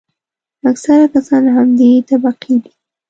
اکثره کسان له همدې طبقې دي.